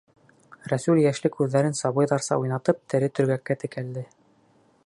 Рәсүл йәшле күҙҙәрен сабыйҙарса уйнатып тере төргәккә текәлде.